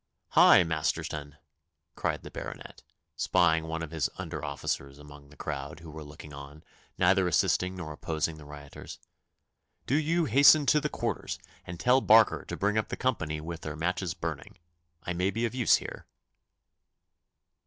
'Hi, Masterton!' cried the Baronet, spying one of his under officers among the crowd who were looking on, neither assisting nor opposing the rioters. 'Do you hasten to the quarters, and tell Barker to bring up the company with their matches burning. I may be of use here.